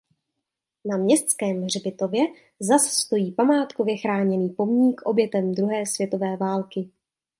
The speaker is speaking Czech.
Na městském hřbitově zas stojí památkově chráněný pomník obětem druhé světové války.